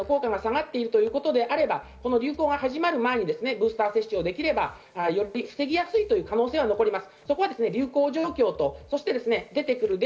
しかし今回のオミクロンに対しての効果が下がるということであれば流行が始まる前にブースター接種をできれば、より防ぎやすいという可能性は残ります。